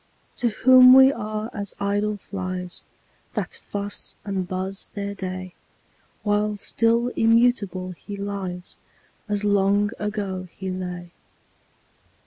To whom we are as idle flies, That fuss and buzz their day; While still immutable he lies, As long ago he lay.